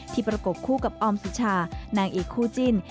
ประกบคู่กับออมสุชานางเอกคู่จิ้น